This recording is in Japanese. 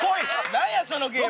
なんやそのゲーム。